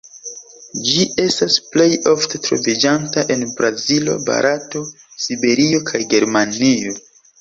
Ĝi estas plej ofte troviĝanta en Brazilo, Barato, Siberio, kaj Germanio.